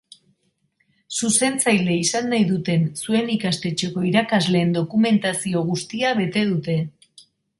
Zuzentzaile izan nahi duten zuen ikastetxeko irakasleen dokumentazio guztia bete dute.